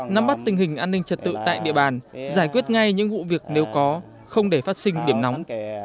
nắm bắt tình hình an ninh trật tự tại địa bàn giải quyết ngay những vụ việc nếu có không để phát sinh điểm nóng